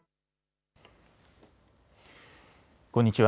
こんにちは。